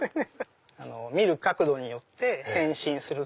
見る角度によって変身するという。